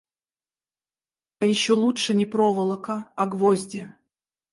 А еще лучше не проволока, а гвозди.